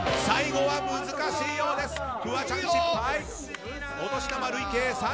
最後は難しいようです。